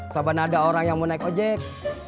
soban ada orang yang mau naik ojek